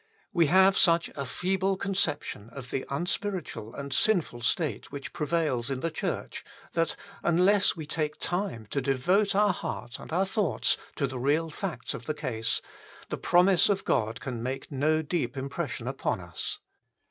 We have such a feeble conception of the unspiritual and sinful state which prevails in the Church, that, unless we take time to devote our heart and our thoughts to the real facts of the case, the promise of God can make no deep impression INTRODUCTION 3 upon us.